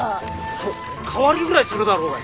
そお代わりぐらいするだろうが！